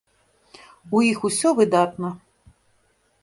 У іх усё выдатна.